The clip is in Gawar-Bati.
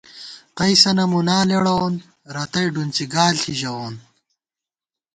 قَئیسَنہ مُنا لېڑَوون رتئ ڈُنڅی گال ݪی ژَوون